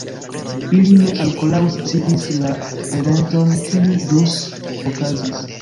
Ili ne ankoraŭ sciis la eventon kiu ĵus okazis.